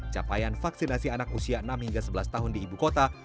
capaian vaksinasi anak usia enam hingga sebelas tahun di ibu kota